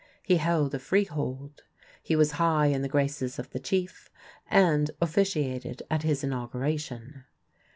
He held a freehold. He was high in the graces of the chief, and officiated at his inauguration.